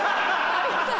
有吉さん